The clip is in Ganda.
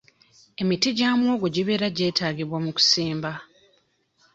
Emiti gya muwogo gibeera gyetaagibwa mu kusimba.